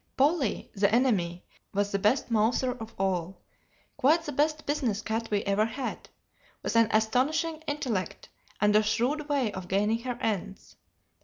"Polly, the enemy, was the best mouser of all: quite the best business cat we ever had, with an astonishing intellect and a shrewd way of gaining her ends.